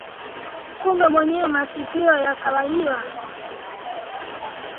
Kupe mwenye masikio ya kahawia